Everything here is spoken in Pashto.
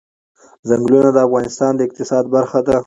چنګلونه د افغانستان د اقتصاد برخه ده.